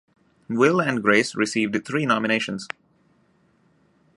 "Will and Grace" received three nominations.